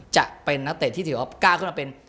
จะเป็นนักเตะที่ถือว่าก้าวขึ้นมาเป็น